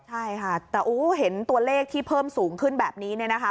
ใช่ค่ะแต่เห็นตัวเลขที่เพิ่มสูงขึ้นแบบนี้เนี่ยนะคะ